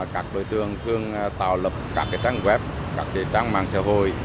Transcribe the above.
các đối tượng thường tạo lập các trang web các trang mạng xã hội